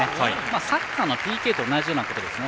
サッカーのＰＫと同じようなことですね。